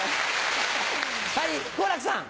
はい好楽さん。